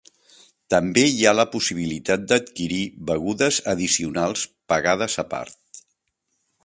També hi ha la possibilitat d'adquirir begudes addicionals pagades a part.